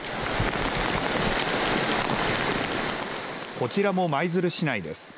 こちらも舞鶴市内です。